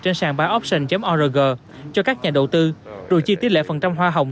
trên sàn buyoption org cho các nhà đầu tư rồi chi tiết lệ phần trăm hoa hồng